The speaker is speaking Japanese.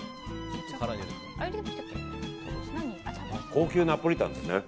高級ナポリタンですね。